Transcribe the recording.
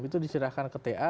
itu diserahkan ke ta